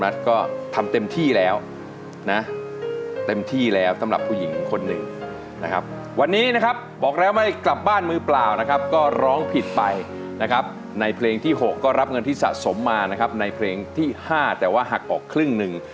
สีดายไหมคุณมาศอืมนิดหนึ่ง